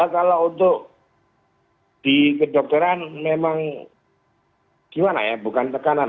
kalau untuk di kedokteran memang gimana ya bukan tekanan